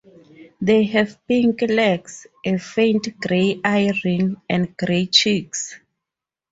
They have pink legs, a faint grey eye ring, and gray cheeks.